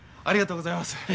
ありがとうございます。